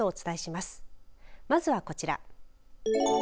まずはこちら。